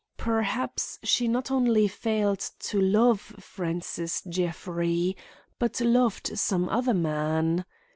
Perhaps she not only failed to love Francis Jeffrey, but loved some other man.